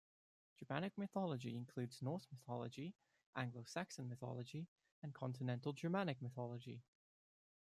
Germanic mythology includes Norse mythology, Anglo-Saxon mythology, and Continental Germanic mythology.